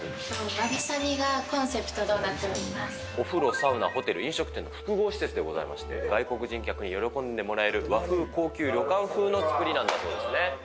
わびさびがコンセプトとなっお風呂、サウナ、ホテル、飲食店の複合施設でございまして、外国人客に喜んでもらえる、和風高級旅館風の造りなんだそうですね。